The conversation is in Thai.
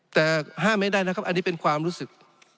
แต่ห้ามไม่ได้นะครับอันนี้เป็นความรู้สึก